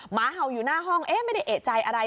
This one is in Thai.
หมาเห่าอยู่หน้าห้องเอ๊ะไม่ได้เอกใจอะไร